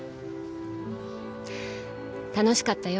楽しかったよ